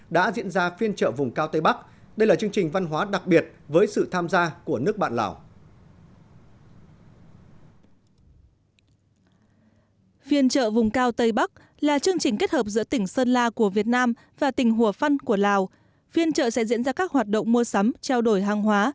đã diễn ra phiên trợ vùng cao tây bắc đây là chương trình văn hóa đặc biệt với sự tham gia của nước bạn lào